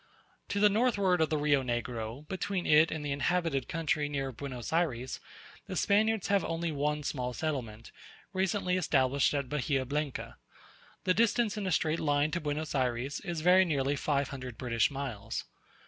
To the northward of the Rio Negro, between it and the inhabited country near Buenos Ayres, the Spaniards have only one small settlement, recently established at Bahia Blanca. The distance in a straight line to Buenos Ayres is very nearly five hundred British miles.